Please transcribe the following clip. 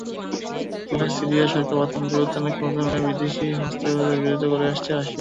তবে সিরিয়ার সরকার পরিবর্তনে কোনো ধরনের বিদেশি হস্তক্ষেপের বিরোধিতা করে আসছে রাশিয়া।